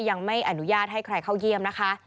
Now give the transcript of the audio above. ยังไม่อนุญาตให้ใครเข้าเยี่ยมนะคะ